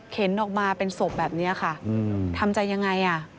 เข็นออกมาเป็นศพแบบเนี่ยค่ะทำจะยังไงอ่ะ